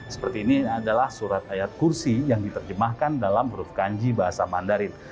seperti ini adalah surat ayat kursi yang diterjemahkan dalam huruf kanji bahasa mandarin